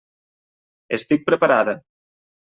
Estic preparada.